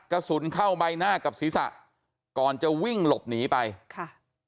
กระสุนเข้าใบหน้ากับศีรษะก่อนจะวิ่งหลบหนีไปค่ะ